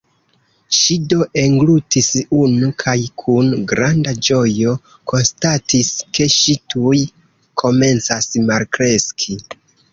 Ŝi do englutis unu, kaj kun granda ĝojo konstatis ke ŝi tuj komencas malkreski.